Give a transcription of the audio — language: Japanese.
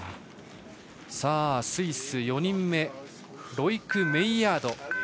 さあ、スイス４人目ロイク・メイヤード。